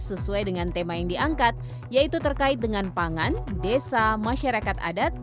sesuai dengan tema yang diangkat yaitu terkait dengan pangan desa masyarakat adat